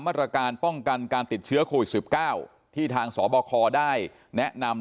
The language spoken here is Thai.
มาตรการป้องกันการติดเชื้อโควิด๑๙ที่ทางสบคได้แนะนำ